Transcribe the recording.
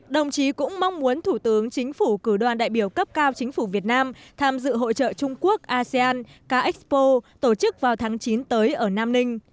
đồng chí cũng mong muốn thủ tướng chính phủ cử đoàn đại biểu cấp cao chính phủ việt nam tham dự hội trợ trung quốc asean ca expo tổ chức vào tháng chín tới ở nam ninh